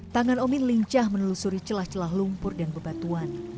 tangan omin lincah menelusuri celah celah lumpur dan bebatuan